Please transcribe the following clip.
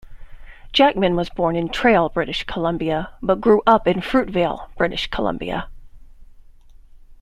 Jackman was born in Trail, British Columbia, but grew up in Fruitvale, British Columbia.